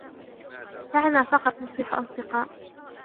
دعنا فقط نصبح أصدقاء.